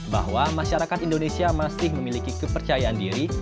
bahwa masyarakat indonesia masih memiliki kepercayaan diri